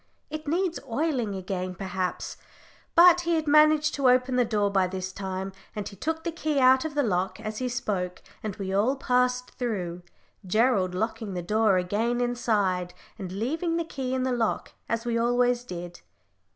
"It needs oiling again, perhaps;" but he had managed to open the door by this time, and he took the key out of the lock as he spoke, and we all passed through, Gerald locking the door again inside, and leaving the key in the lock, as we always did.